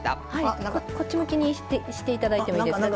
こっち向きにして頂いてもいいです？